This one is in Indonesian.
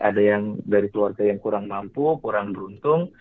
ada yang dari keluarga yang kurang mampu kurang beruntung